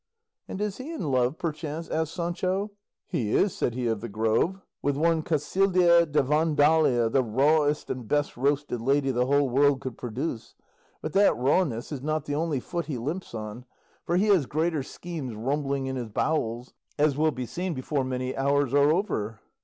"And is he in love perchance?" asked Sancho. "He is," said of the Grove, "with one Casildea de Vandalia, the rawest and best roasted lady the whole world could produce; but that rawness is not the only foot he limps on, for he has greater schemes rumbling in his bowels, as will be seen before many hours are over."